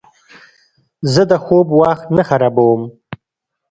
زه د خوب وخت نه خرابوم.